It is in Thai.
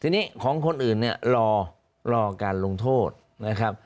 ทีนี้ของคนอื่นเนี่ยรอการลงโทษนะครับ